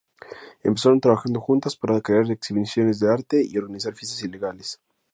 Empezaron trabajando juntas para crear exhibiciones de arte y organizar fiestas ilegales.